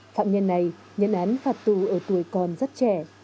phạm nhân này nhận án phạt tù ở tuổi còn rất trẻ